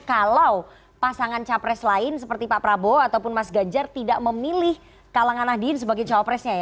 kalau pasangan capres lain seperti pak prabowo ataupun mas ganjar tidak memilih kalangan nahdien sebagai cawapresnya ya